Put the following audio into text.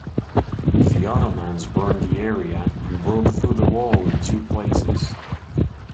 The Ottomans burned the area and broke through the wall in two places.